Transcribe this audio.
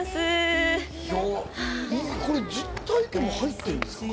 これ実体験も入ってるんですか？